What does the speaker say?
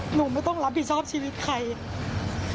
หนูไม่ต้องรับผิดชอบชีวิตใคร